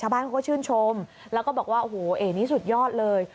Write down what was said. บ้านเขาก็ชื่นชมแล้วก็บอกว่าโอ้โหเอ๋นี้สุดยอดเลย